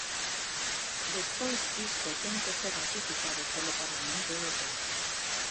Despois isto ten que ser ratificado polo Parlamento Europeo.